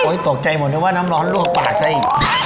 โอ๊ยตกใจหมดเลยว่าน้ำร้อนรั่วปากซะอีก